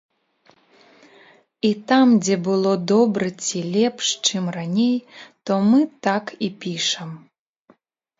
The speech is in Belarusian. І там, дзе было добра ці лепш, чым раней, то мы так і пішам.